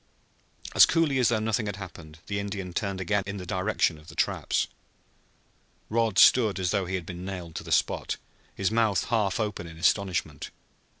As coolly as though nothing had occurred the Indian turned again in the direction of the traps. Rod stood as though he had been nailed to the spot, his mouth half open in astonishment.